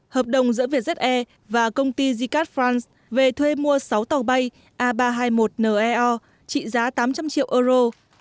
hợp đồng giữa vietjet air và công ty zikat france về thuê mua sáu tàu bay a ba trăm hai mươi một neo trị giá tám trăm linh triệu euro